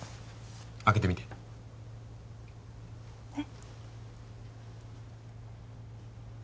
開けてみてえっ？